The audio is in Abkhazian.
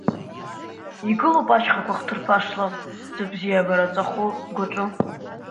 Игылоуп ашьхақәа хҭырԥашла, зыбзиабара ҵәаху згәаҿы.